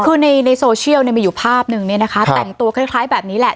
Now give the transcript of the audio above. คือในในโซเชียลเนี่ยมีอยู่ภาพหนึ่งเนี่ยนะคะแต่งตัวคล้ายคล้ายแบบนี้แหละ